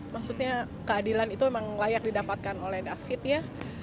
maksudnya keadilan itu memang layak didapatkan oleh david ya